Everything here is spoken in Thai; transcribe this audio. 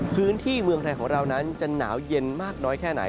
พื้นที่เมืองไทยของเรานั้นจะหนาวเย็นมากน้อยแค่ไหน